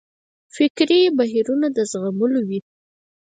فکري بهیرونه د زغملو وي.